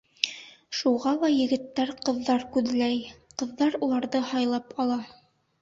Шуға ла егеттәр ҡыҙҙар күҙләй, ҡыҙҙар уларҙы һайлап ала.